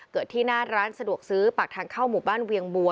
ที่หน้าร้านสะดวกซื้อปากทางเข้าหมู่บ้านเวียงบัว